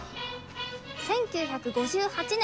１９５８年